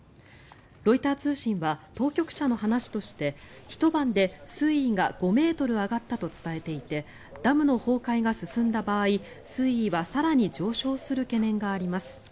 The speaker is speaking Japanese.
ロイター通信は当局者の話としてひと晩で水位が５ｍ上がったと伝えていてダムの崩壊が進んだ場合、水位は更に上昇する懸念があります。